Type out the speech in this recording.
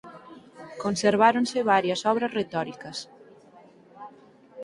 Conserváronse varias obras retóricas.